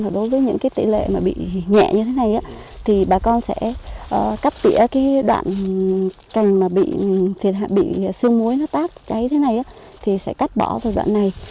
đối với những cái tỷ lệ mà bị nhẹ như thế này thì bà con sẽ cắt tía cái đoạn cành mà bị sương muối nó tác cháy thế này thì sẽ cắt bỏ từ đoạn này